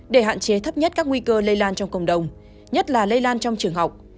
để hạn chế thấp nhất các nguy cơ lây lan trong cộng đồng nhất là lây lan trong trường học